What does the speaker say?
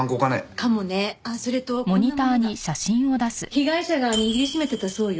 被害者が握りしめてたそうよ。